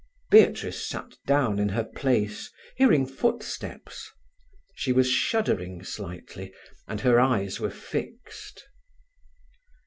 Beatrice sat down in her place, hearing footsteps. She was shuddering slightly, and her eyes were fixed.